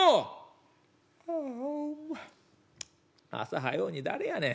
「はあ朝早うに誰やねん？」。